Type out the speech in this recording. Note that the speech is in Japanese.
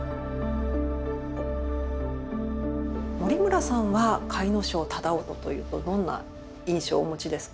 森村さんは甲斐荘楠音というとどんな印象をお持ちですか？